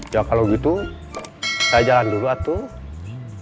ya kalau gitu saya jalan dulu atau